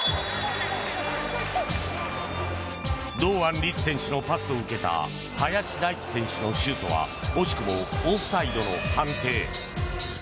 堂安律選手のパスを受けた林大地選手のシュートは惜しくもオフサイドの判定。